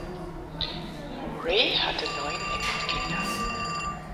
Morey hatte neun Enkelkinder.